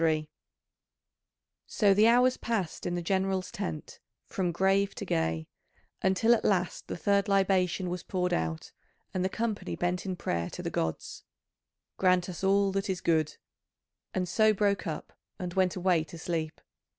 [C.3] So the hours passed in the general's tent, from grave to gay, until at last the third libation was poured out, and the company bent in prayer to the gods "Grant us all that is good" and so broke up, and went away to sleep.